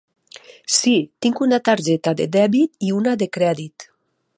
Sí, tinc una targeta de dèbit i una de crèdit.